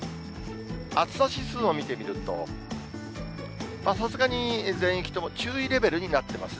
暑さ指数を見てみると、さすがに全域とも注意レベルになってますね。